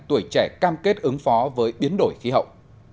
tuổi trẻ cam kết ứng phó với biến đổi khí hậu